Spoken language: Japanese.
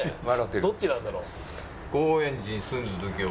どっちなんだろう？